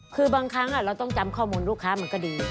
คือบางครั้งเราต้องจำข้อมูลลูกค้ามันก็ดี